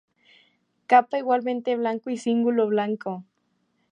Capa igualmente blanca y cíngulo blanco.